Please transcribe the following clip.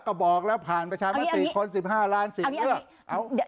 ก็บอกแล้วผ่านประชามติคน๑๕ล้านเสียงเลือก